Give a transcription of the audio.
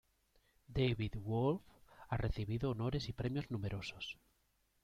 David Wolf ha recibido honores y premios numerosos.